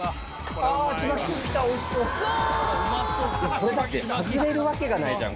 これだって外れるわけがないじゃん